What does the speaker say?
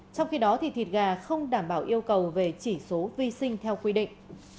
trong khi đó thịt gà không đảm bảo yêu cầu về chỉ số vi sinh theo quy định